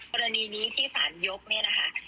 กรณีนี้ที่สารยกเนี่ยนะคะ